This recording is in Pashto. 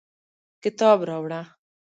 کتاب راوړه